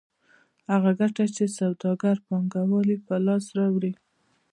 هغه ګټه چې سوداګر پانګوال یې په لاس راوړي